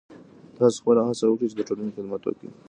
تاسو خپله هڅه وکړئ چې د ټولنې خدمت وکړئ.